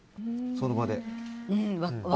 その場で。